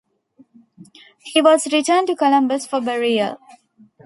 He was returned to Columbus for burial.